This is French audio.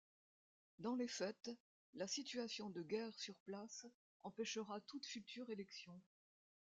Dans les faits, la situation de guerre sur place empêchera toute future élection.